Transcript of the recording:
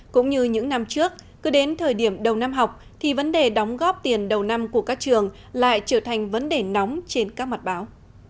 cũng như những năm trước cứ đến thời điểm đầu năm học thì vấn đề đóng góp tiền đầu năm của các trường lại trở thành vấn đề nóng trên các mặt báo